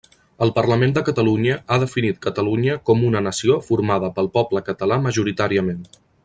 El Parlament de Catalunya ha definit Catalunya com una nació formada pel poble català majoritàriament.